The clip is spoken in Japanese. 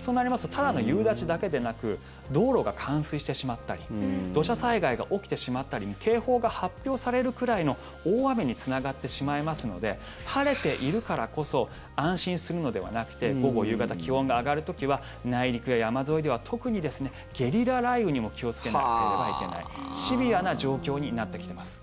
そうなりますとただの夕立だけでなく道路が冠水してしまったり土砂災害が起きてしまったり警報が発表されるくらいの大雨につながってしまいますので晴れているからこそ安心するのではなくて午後、夕方、気温が上がる時は内陸や山沿いでは特にですね、ゲリラ雷雨にも気をつけなければいけないシビアな状況になってきてます。